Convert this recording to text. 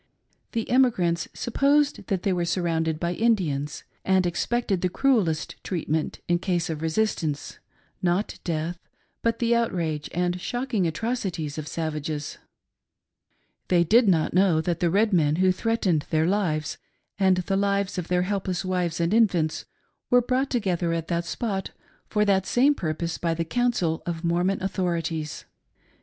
The emigrants supposed that they were surrounded by Indians and expected the cruellest treatment in case of resistance — not death, but the outrage and shocking atrocities of savages, They did not know that the red men who threatened their lives and the lives of their helpless wives and infants were brought together at that spot for that same purpose by the counsel of Mormon authorities.